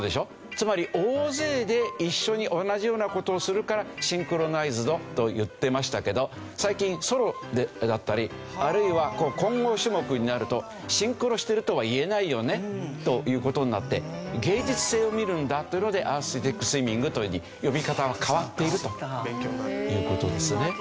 つまり大勢で一緒に同じような事をするから「シンクロナイズド」と言ってましたけど最近ソロだったりあるいはこう混合種目になるとシンクロしてるとは言えないよねという事になって芸術性を見るんだというのでアーティスティックスイミングというふうに呼び方が変わっているという事ですね。